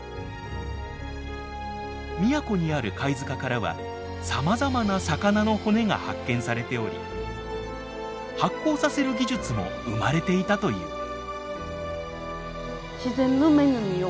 宮古にある貝塚からはさまざまな魚の骨が発見されており発酵させる技術も生まれていたという。